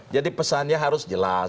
jadi pesannya harus jelas